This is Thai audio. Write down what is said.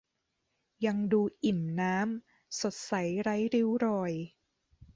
ยังดูอิ่มน้ำ สดใสไร้ริ้วรอย